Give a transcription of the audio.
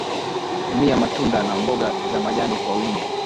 tumia matunda na mboga za majani kwa wingi